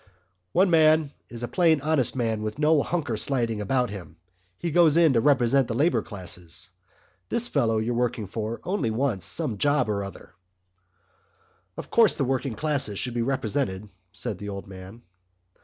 "One man is a plain honest man with no hunker sliding about him. He goes in to represent the labour classes. This fellow you're working for only wants to get some job or other." "Of course, the working classes should be represented," said the old man.